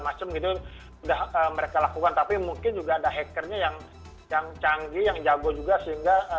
macam itu sudah mereka lakukan tapi mungkin juga ada hackernya yang yang canggih yang jago juga sehingga